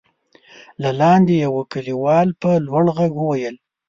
له لاندې يوه کليوال په لوړ غږ وويل: